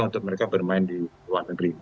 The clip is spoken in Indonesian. untuk mereka bermain di luar negeri